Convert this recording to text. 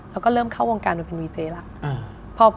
แล้วก็เริ่มเข้าวงการมาเป็นวีเจแล้ว